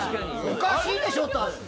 おかしいでしょとは。